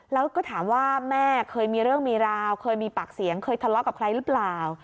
แล้วก็ถามว่าแม่เคยมีเรื่องมีราวเคยมีปากเสียงเคยทะเลาะกับใครหรือเปล่า